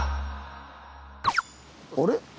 あれ？